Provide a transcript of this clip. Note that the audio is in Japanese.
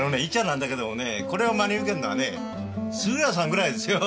なんだけどねこれを真に受けるのはねぇ杉浦さんぐらいですよ？